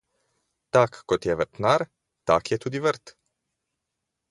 Tak kot je vrtnar, tak je tudi vrt.